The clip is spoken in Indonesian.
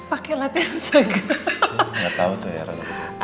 ambil ya untuk tidur nah speak on earth